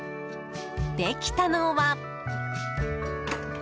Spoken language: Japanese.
できたのは。